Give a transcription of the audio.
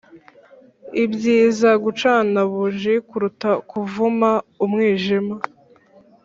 ibyiza gucana buji kuruta kuvuma umwijima